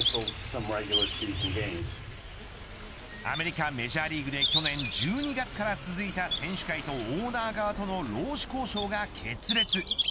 アメリカメジャーリーグで去年１２月から続いた選手会とオーナー側との労使交渉が決裂。